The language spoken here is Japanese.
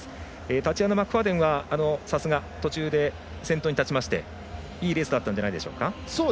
タチアナ・マクファーデンはさすが、途中で先頭に立ちましていいレースだったんじゃないでしょうか。